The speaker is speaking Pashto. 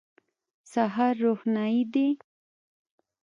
سهار روښنايي دی.